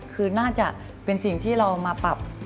คือน่าจะเป็นสิ่งที่เรามาปรับ